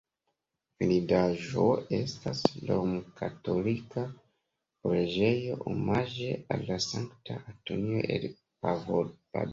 Vidindaĵo estas la romkatolika preĝejo omaĝe al Sankta Antonio el Padovo.